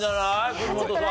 国本さん。